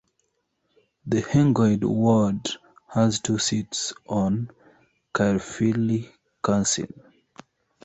The Hengoed ward has two seats on Caerphilly Council.